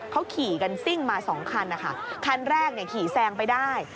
เขาขี่กันซิ่งมาสองคันนะคะคันแรกขี่แซงไปได้